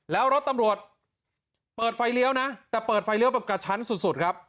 แล้วรถตำรวจเปิดไฟเลี้ยวนะแต่เปิดไฟเลี้ยแบบกระชั้นสุดครับ